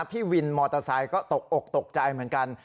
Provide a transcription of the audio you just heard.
พี่วินมอเตอร์ไซค์ก็ตกอกตกใจเหมือนกัน